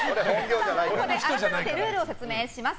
改めてルールを説明します。